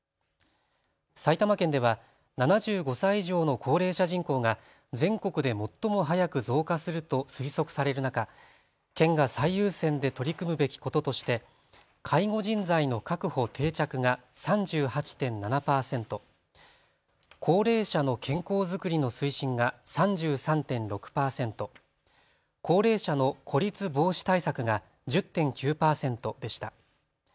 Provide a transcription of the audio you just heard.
埼玉県では７５歳以上の高齢者人口が全国で最も早く増加すると推測される中、県が最優先で取り組むべきこととして介護人材の確保・定着が３８．７％、高齢者の健康づくりの推進が３３．６％、高齢者の孤立防止対策が１０．９％でした。